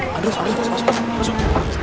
masuk masuk masuk